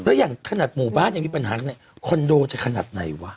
แล้วอย่างขนาดหมู่บ้านยังมีปัญหาขนาดไหนคอนโดจะขนาดไหนวะ